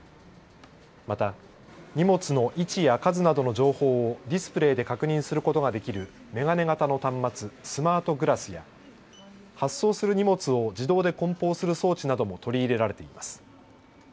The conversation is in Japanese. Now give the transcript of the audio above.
また荷物の位置や数などの情報をディスプレーで確認することができる眼鏡型の端末、スマートグラスや発送する荷物を自動でこん包する装置なども取り入れられています。